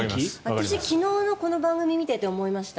私、昨日のこの番組見ていて思いました。